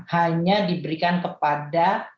hanya diberikan kepada